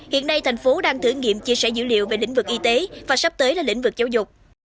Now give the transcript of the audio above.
hiện nay thành phố đang thử nghiệm chia sẻ dữ liệu về lĩnh vực y tế và sắp tới là lĩnh vực giáo dục